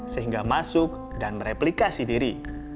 sehingga masuk dan mereplikasi diri